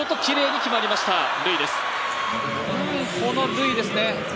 このルイですね。